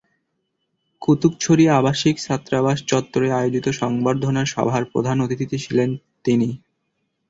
কুতুকছড়ি আবাসিক ছাত্রাবাস চত্বরে আয়োজিত সংবর্ধনা সভার প্রধান অতিথি ছিলেন তিনি।